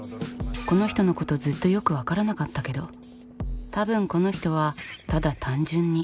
この人のことずっとよくわからなかったけど多分この人はただ単純に。